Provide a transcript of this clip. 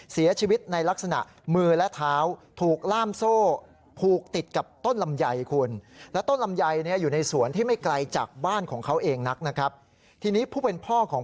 เสียชีวิตในลักษณะมือและเท้าถูกล่ามโซ่ผูกติดกับต้นลำไยคุณ